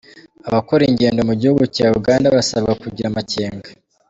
Abakora ingendo mu gihugu cya Uganda barasabwa kugira amakenga